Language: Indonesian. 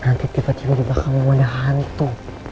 nanti tiba tiba dibakar memandang hantu